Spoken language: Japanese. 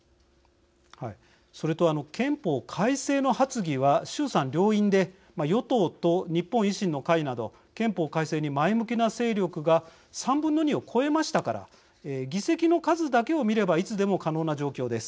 はい、それと憲法改正の発議は衆参両院で与党と日本維新の会など憲法改正に前向きな勢力が３分の２を超えましたから議席の数だけを見ればいつでも可能な状況です。